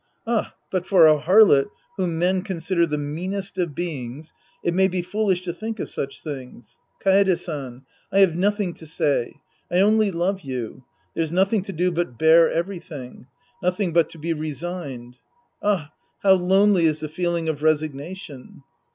Ah, but for a harlot whom men consider the meanest of beings, it may be foolish to think of such things ! Kaede San. I have nothing to say. I only love you. There's nothing to do but bear everydiing. Nothing but to be resigned, — ah, how lonely is the feeling of resignation